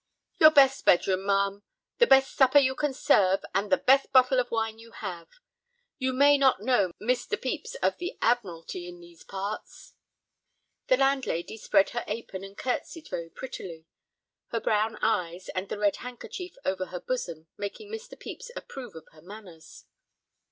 "Your best bedroom, ma'am, the best supper you can serve, and the best bottle of wine you have. You may not know Mr. Pepys of the Admiralty in these parts." The landlady spread her apron and curtesied very prettily, her brown eyes and the red handkerchief over her bosom making Mr. Pepys approve of her manners.